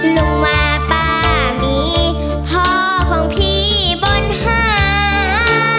ลุงมาป้ามีพ่อของพี่บนหา